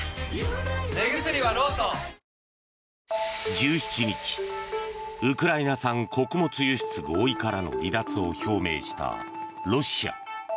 １７日ウクライナ産穀物輸出合意からの離脱を表明したロシア。